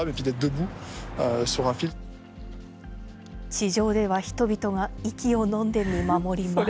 地上では人々が息をのんで見守ります。